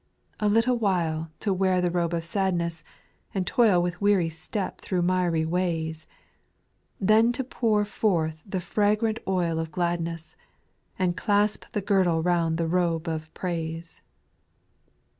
8. " A little while ^ to wear the robe of sadness, And toil with weary step through miry ways; Then to pour forth the fragrant oil of glad ness, And clasp the girdle round the robe of praise.